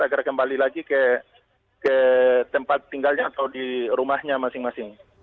agar kembali lagi ke tempat tinggalnya atau di rumahnya masing masing